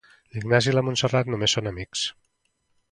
L'Ignasi i la Montserrat només són amics.